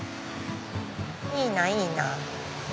いいないいな。